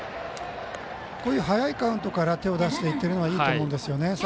こういう早いカウントから手を出していくのはいいと思うんですよね。